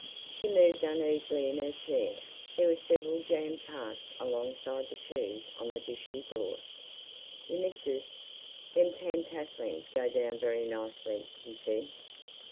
She moved uneasily in her chair. There were several jam tarts alongside the cheese on the dish he brought. "Yi, Missis, them tan tafflins'll go down very nicely," he said.